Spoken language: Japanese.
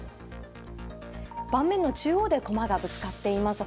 盤面の中央で駒がぶつかっています。